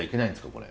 これ。